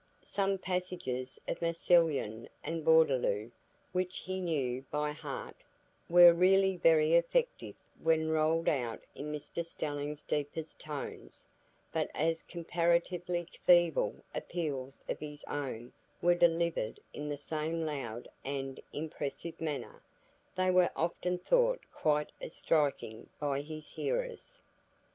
Some passages of Massillon and Bourdaloue, which he knew by heart, were really very effective when rolled out in Mr Stelling's deepest tones; but as comparatively feeble appeals of his own were delivered in the same loud and impressive manner, they were often thought quite as striking by his hearers.